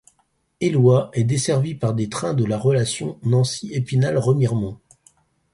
Éloyes est desservie par des trains de la relation Nancy-Épinal-Remiremont.